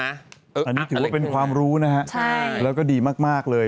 อันนี้ถือว่าเป็นความรู้นะฮะแล้วก็ดีมากเลย